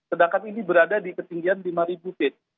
sedangkan ini berada di ketinggian lima feet